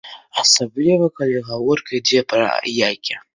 Асабліва калі гаворка ідзе пра яйкі.